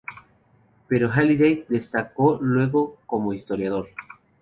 Pero Halliday destacó luego como historiador.